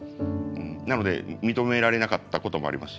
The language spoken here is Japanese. なので認められなかったこともありますし。